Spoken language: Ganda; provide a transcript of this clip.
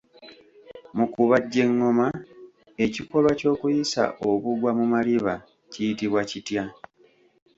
Mu kubajja engoma, ekikolwa ky'okuyisa obugwa mu maliba kiyitibwa kitya?